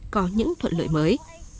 có những thuận lợi mới